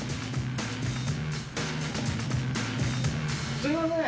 すいません！